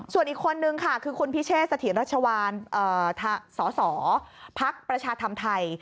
ส่วนอีกคนนึงค่ะคือคุณพิเชษสถิตรัชวานสสพักประชาธรรมไทย